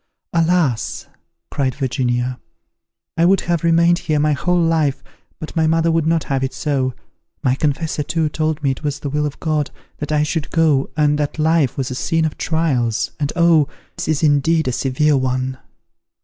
"Alas!" cried Virginia, "I would have remained here my whole life, but my mother would not have it so. My confessor, too, told me it was the will of God that I should go, and that life was a scene of trials! and Oh! this is indeed a severe one."